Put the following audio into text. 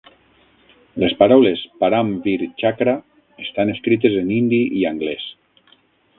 Les paraules "Param Vir Chakra" estan escrites en hindi i anglès.